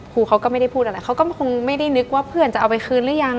เขาก็ไม่ได้พูดอะไรเขาก็คงไม่ได้นึกว่าเพื่อนจะเอาไปคืนหรือยัง